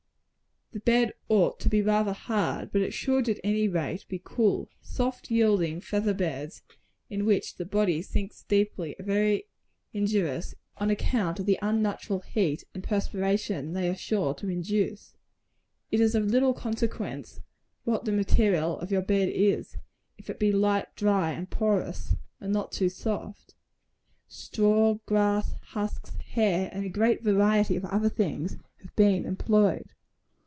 The bed ought to be rather hard; but it should, at any rate, be cool. Soft, yielding feather beds, in which the body sinks deeply, are very injurious, on account of the unnatural heat and perspiration they are sure to induce. It is of little consequence what the material of your bed is, if it be light, dry and porous, and not too soft. Straw, grass, husks, hair, and a great variety of other things, have been employed.